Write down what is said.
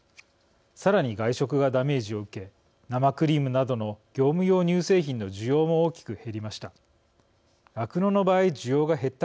さらに外食がダメージを受け生クリームなどの業務用乳製品の需要も大きく減りました。